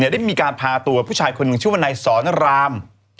ได้มีการพาตัวผู้ชายคนหนึ่งชื่อว่านายสอนราม